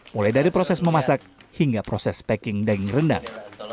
mulai dari proses memasak hingga proses packing daging rendang